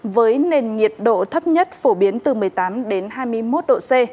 với nền nhiệt độ thấp nhất phổ biến từ một mươi tám đến hai mươi một độ c